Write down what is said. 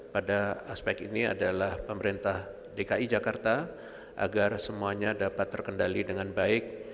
pada aspek ini adalah pemerintah dki jakarta agar semuanya dapat terkendali dengan baik